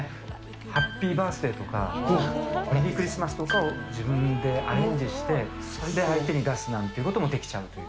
ハッピーバースデーとか、メリークリスマスとかを自分でアレンジして、それで相手に出すなんていうこともできちゃうという。